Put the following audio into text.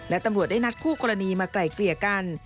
และตำรวจได้นัดคู่กรณีมาไกล่เกลี่ยกัน